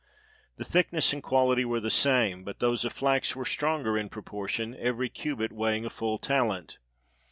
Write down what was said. The thickness and quahty were the same, but those of flax were stronger in proportion, every cubit weighing a full talent.